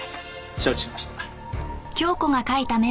承知しました。